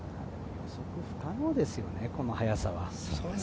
予測不可能ですよね、この速さは。